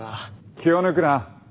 気を抜くな。